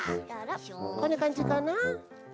こんなかんじかな？